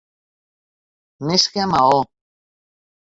Més que a Maó!